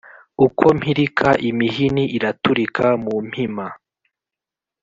Uko mpirika, imihini iraturika mu Mpima